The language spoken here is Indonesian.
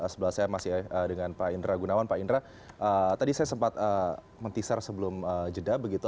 sebelah saya masih dengan pak indra gunawan pak indra tadi saya sempat mentisar sebelum jeda begitu